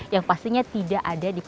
yang pastinya tidak ada di kota